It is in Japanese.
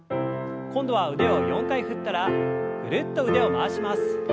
今度は腕を４回振ったらぐるっと腕を回します。